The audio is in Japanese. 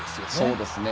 そうですね。